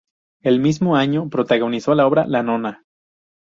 El mismo año protagonizó la obra "La nona".